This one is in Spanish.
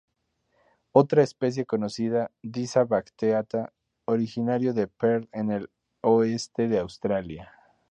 Otra especie conocida "Disa bracteata", originario de Perth en el oeste de Australia.